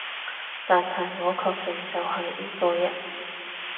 但係我確定就係依個人